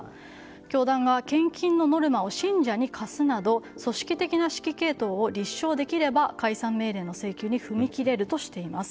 教団側は献金のノルマを信者に課すなど組織的な指揮系統を立証できれば解散命令の請求に踏み切れるとしています。